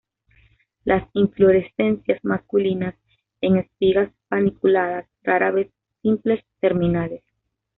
Las inflorescencias masculinas en espigas paniculadas, rara vez simples, terminales.